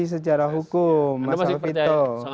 secara hukum mas alvito